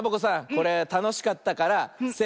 これたのしかったからせの。